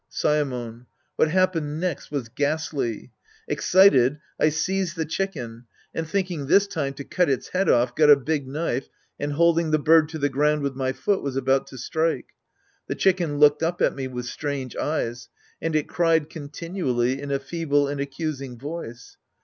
Saemon. What happened next was ghastly. Ex cited, I seized the chicken and, thinking this time to cut its head off, got a big knife and, holding the bird to the ground with my foot, was about to strike. The chicken looked up at me with strange eyes. And it cried continually In a feeble and accusing voice.